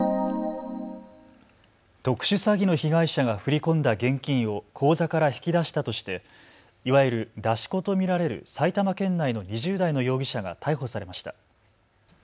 特殊詐欺の被害者が振り込んだ現金を口座から引き出したとしていわゆる出し子と見られる埼玉県内の２０代の容疑者が逮捕されました。